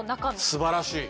すばらしい。